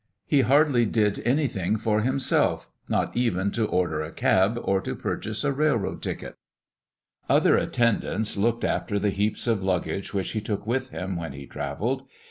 He hardly did anything for himself not even to order a cab or to purchase a railroad ticket. Other attendants looked after the heaps of luggage which he took with him when he travelled.